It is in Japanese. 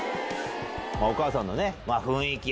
お母さんの雰囲気